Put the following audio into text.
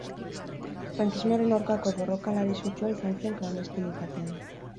Frankismoaren aurkako borrokalari sutsua izan zen klandestinitatean.